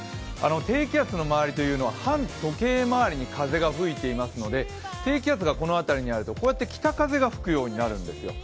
低気圧の周りは反時計回りに風が吹いていますので、低気圧がこの辺りにあるとこうやって北風が吹くようになるんですよ。